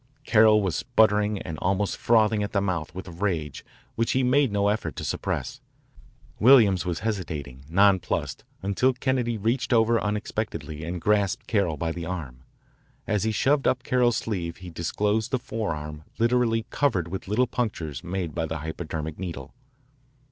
Carroll was sputtering and almost frothing at the mouth with rage which he made no effort to suppress. Williams was hesitating, nonplussed, until Kennedy reached over unexpectedly and grasped Carroll by the arm. As he shoved up Carroll's sleeve he disclosed the forearm literally covered with little punctures made by the hypodermic needle.